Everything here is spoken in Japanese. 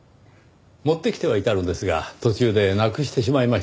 持ってきてはいたのですが途中でなくしてしまいましてねぇ。